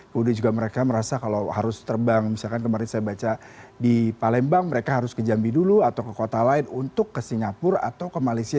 kemudian juga mereka merasa kalau harus terbang misalkan kemarin saya baca di palembang mereka harus ke jambi dulu atau ke kota lain untuk ke singapura atau ke malaysia